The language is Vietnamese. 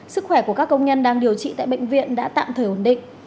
sức khỏe của các công nhân đang điều trị tại bệnh viện đã tạm thời ổn định